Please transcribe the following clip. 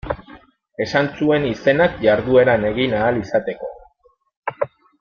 Esan zuen izenak jardueran egin ahal izateko.